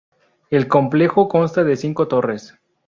El complejo consta de cinco torres.